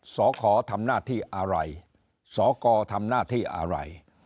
ขอทำหน้าที่อะไรสกทำหน้าที่อะไร